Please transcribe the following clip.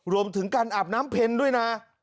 รวมถึงการอาบน้ำเพ็ญด้วยนะ